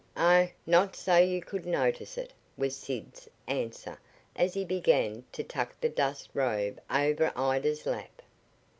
"Oh, not's so's you could notice it," was Sid's answer as he began to tuck the dust robe over Ida's lap.